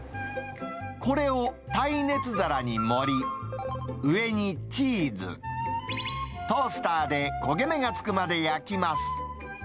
これを耐熱皿に盛り、上にチーズ、トースターで焦げ目がつくまで焼きます。